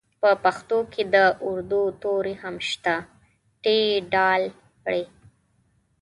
په پښتو کې د اردو توري هم شته ټ ډ ړ